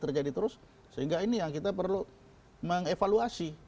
terjadi terus sehingga ini yang kita perlu mengevaluasi